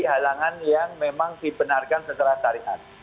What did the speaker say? halangan yang memang dibenarkan secara syariat